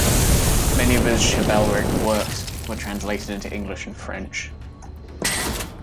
Many of his chivalreque works were translated into English and French.